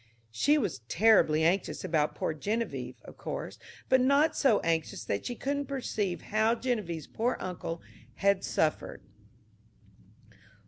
She was terribly anxious about poor Geneviève, of course, but not so anxious that she couldn't perceive how Genevieve's poor uncle had suffered.